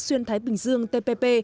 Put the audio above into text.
xuyên thái bình dương tpp